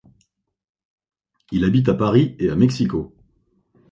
Il habite à Paris et à Mexico.